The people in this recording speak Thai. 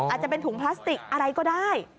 อาจจะเป็นถุงพลาสติกอะไรก็ได้